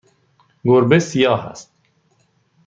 گربه سیاه است.